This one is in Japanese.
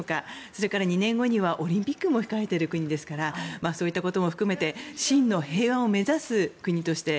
それから２年後にはオリンピックも控えている国ですからそういったことも含めて真の平和を目指す国として